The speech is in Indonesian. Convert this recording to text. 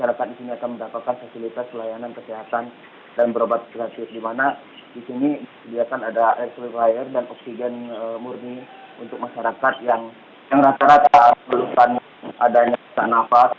dan begitu juga ada penyelidikan mata dan kesehatan kulit seperti itu rupana dan heran